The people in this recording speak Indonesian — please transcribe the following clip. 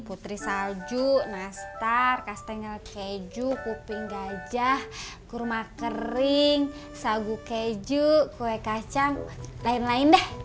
putri salju nastar custengel keju kuping gajah kurma kering sagu keju kue kacang lain lain dah